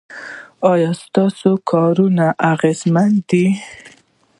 ایا ستاسو کارونه اغیزمن دي؟